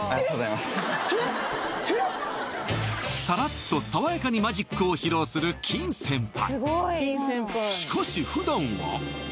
さらっと爽やかにマジックを披露する金先輩